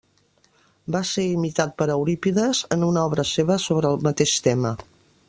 Va ser imitat per Eurípides en una obra seva sobre el mateix tema.